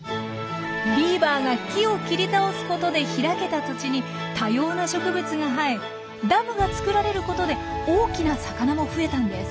ビーバーが木を切り倒すことで開けた土地に多様な植物が生えダムが作られることで大きな魚も増えたんです。